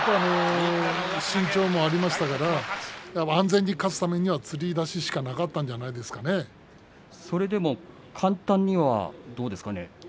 身長もありましたから安全に勝つためにはつり出ししかそれでも簡単にはどうですかね。